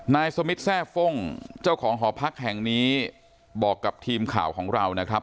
นายสมิทแซ่ฟ่งเจ้าของหอพักแห่งนี้บอกกับทีมข่าวของเรานะครับ